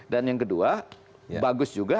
dan yang kedua bagus juga